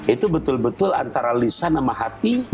itu betul betul antara lisan sama hati